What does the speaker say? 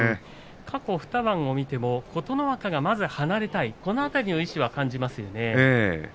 過去２番を見ても琴ノ若がまず離れたいこの辺りの意思は感じますよね。